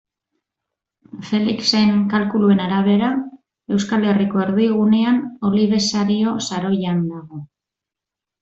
Felixen kalkuluen arabera, Euskal Herriko erdigunean Olibesario saroian dago.